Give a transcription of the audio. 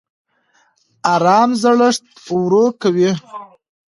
ارام زړښت ورو کوي